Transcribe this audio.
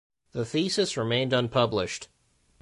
The thesis remained unpublished.